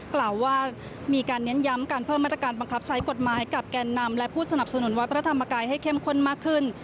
กล่าวว่ามีการเน้นย้ำการเพิ่มมาตรการบังคับใช้กฎหมายกับแกนนำและผู้สนับสนุนวัดพระธรรมกายให้เข้มข้นมากขึ้น